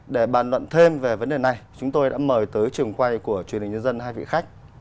để bàn luận thêm về vấn đề này chúng tôi đã mời tới trường quay của truyền hình nhân dân hai vị khách